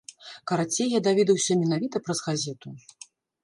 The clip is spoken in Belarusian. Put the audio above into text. Карацей, я даведаўся менавіта праз газету.